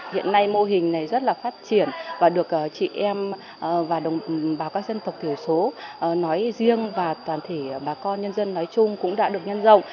hiện nay mô hình này rất phát triển và được chị em và bà con nhân dân nói chung